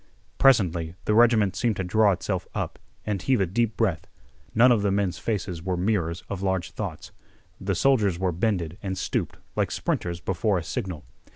Presently, the regiment seemed to draw itself up and heave a deep breath. None of the men's faces were mirrors of large thoughts. The soldiers were bended and stooped like sprinters before a signal.